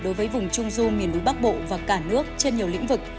đối với vùng trung du miền núi bắc bộ và cả nước trên nhiều lĩnh vực